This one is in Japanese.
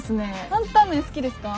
タンタン麺好きですか？